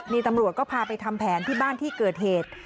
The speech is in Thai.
นี่ตำรวจก็พาไปทำแผนที่บ้านที่เกิดเหตุ